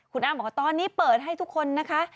คุณอ้ำบอกว่าตอนนี้เปิดให้ทุกคนนะคะ